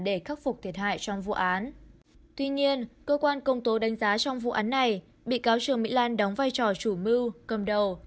tuy nhiên cơ quan công tố đánh giá trong vụ án này bị cáo trương mỹ lan đóng vai trò chủ mưu cầm đầu